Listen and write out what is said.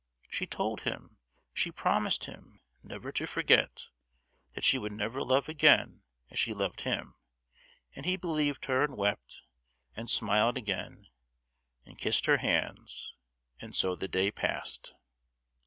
She told him—she promised him—never to forget; that she would never love again as she loved him; and he believed her and wept, and smiled again, and kissed her hands. And so the day passed.